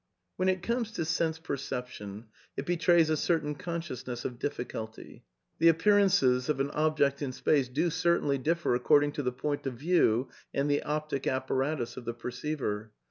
When it comes to senseperception it betrays a certain consciousness of difficulty. The appearances of an object in space do certainly differ according to the point of view and the optic apparatus of the perceiver.